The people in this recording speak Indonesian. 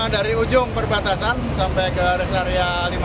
dari ujung perbatasan sampai ke res area lima belas